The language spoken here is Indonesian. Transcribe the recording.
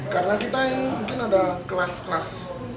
karena kita ini mungkin ada kelas kelas